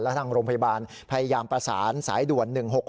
ทางโรงพยาบาลพยายามประสานสายด่วน๑๖๖